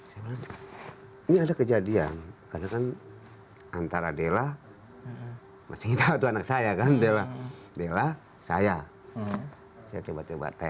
saya bilang ini ada kejadian karena kan antara della mas ingyi tahu tuh anak saya kan della della saya saya coba coba teks